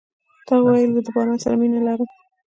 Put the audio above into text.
تا ویل زه د باران سره مینه لرم .